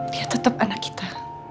dia tetep anak kita